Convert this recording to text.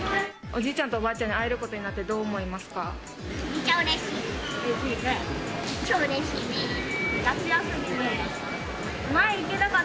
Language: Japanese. おじいちゃんとおばあちゃんに会えることになって、どう思いますか？